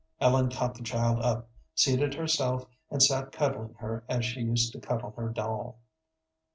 Ellen caught the child up, seated herself, and sat cuddling her as she used to cuddle her doll.